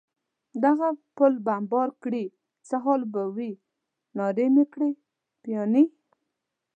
دغه پل بمبار کړي، څه حال به وي؟ نارې مې کړې: پیاني.